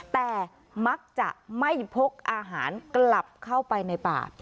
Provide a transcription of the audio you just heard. แต่มักจะไม่พกอาหารกลับเข้าไปในป่า